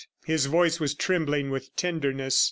His voice was trembling with tenderness.